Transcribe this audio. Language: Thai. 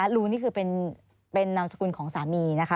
รูนี่คือเป็นนามสกุลของสามีนะคะ